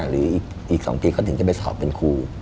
หรืออีก๒ปีเขาถึงจะไปสอบเป็นครู